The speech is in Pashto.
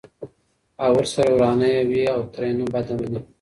او ورسره ورانه یې وي او ترېنه بده مني!